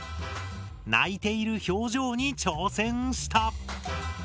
泣いている表情に挑戦した。